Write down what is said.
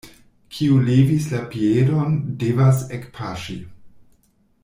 Kiu levis la piedon, devas ekpaŝi.